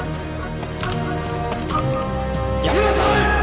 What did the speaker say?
やめなさい！